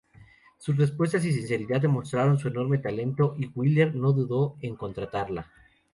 Sus respuestas y sinceridad demostraron su enorme talento y Wyler no dudó en contratarla.